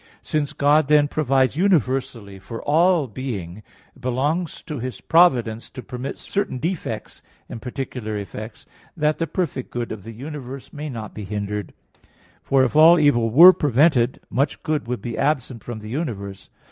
Since God, then, provides universally for all being, it belongs to His providence to permit certain defects in particular effects, that the perfect good of the universe may not be hindered, for if all evil were prevented, much good would be absent from the universe.